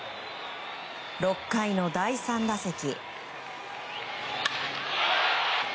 ６回の第３打席。